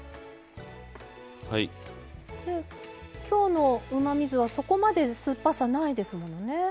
今日のうまみ酢はそこまで酸っぱさないですものね。